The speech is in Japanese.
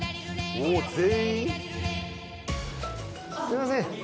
すいません。